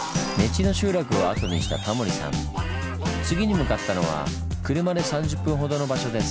次に向かったのは車で３０分ほどの場所です。